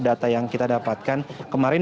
data yang kita dapatkan kemarin